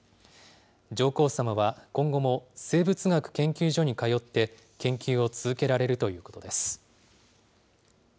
上皇さまは今後も生物学研究所に通って、研究を続けられるということです。